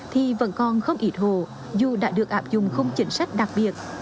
thì vẫn còn không ịt hồ dù đã được ảm dụng khung chính sách đặc biệt